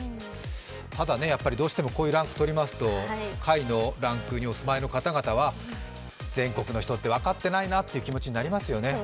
ただ、こういうランクをとりますと下位のランクにお住まいの方々は全国の人って分かってないなという気持ちになりますよね。